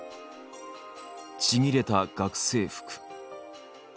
ちぎれた学生服。